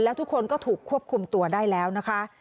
แล้วทุกคนก็ถูกควบคุมตัวได้แล้วนะคะ